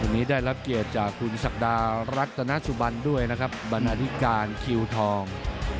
วันนี้ได้รับเกียรติจากคุณศักดารัตนสุบันด้วยนะครับบรรณาธิการคิวทอง